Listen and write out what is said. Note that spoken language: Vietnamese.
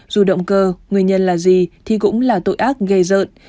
dù động cơ nguyên nhân là gì thì cũng là tội ác gây rợn